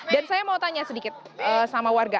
dan saya mau tanya sedikit sama warga